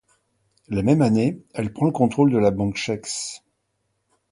La même année, elle prend le contrôle de la banque Chaix.